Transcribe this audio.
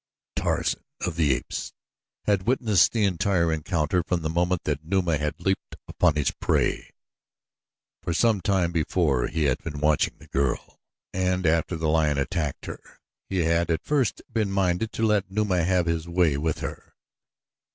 Tarzan of the Apes had witnessed the entire encounter from the moment that Numa had leaped upon his prey. For some time before, he had been watching the girl, and after the lion attacked her he had at first been minded to let Numa have his way with her.